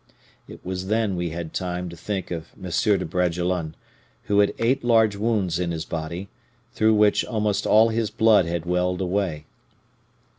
It was then we had time to think of M. de Bragelonne, who had eight large wounds in his body, through which almost all his blood had welled away.